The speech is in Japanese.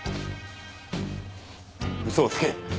嘘をつけ！